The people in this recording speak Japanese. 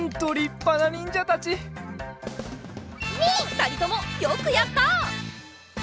ふたりともよくやった！